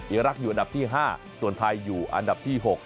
อรักษ์อยู่อันดับที่๕ส่วนไทยอยู่อันดับที่๖